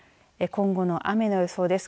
今後の雨の予想です。